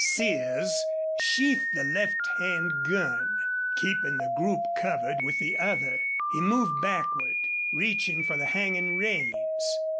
Sears sheathed the left hand gun. Keeping the group covered with the other, he moved backward, reaching for the hanging reins.